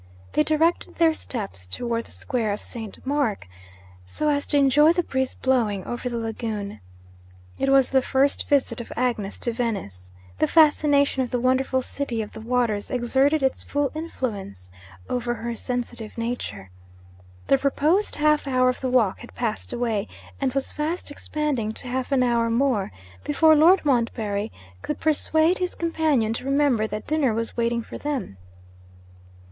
They directed their steps towards the square of St. Mark, so as to enjoy the breeze blowing over the lagoon. It was the first visit of Agnes to Venice. The fascination of the wonderful city of the waters exerted its full influence over her sensitive nature. The proposed half hour of the walk had passed away, and was fast expanding to half an hour more, before Lord Montbarry could persuade his companion to remember that dinner was waiting for them.